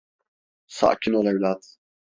Sakin ol evlat.